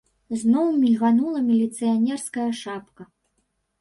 Зноў мільганула міліцыянерская шапка.